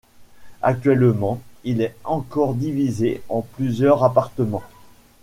Actuellement, il est encore divisé en plusieurs appartements.